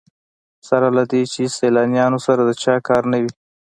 سره له دې چې سیلانیانو سره د چا کار نه وي.